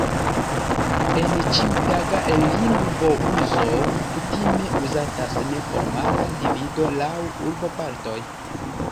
En ĉiutaga lingvouzo kutime uzatas neformala divido laŭ urbopartoj.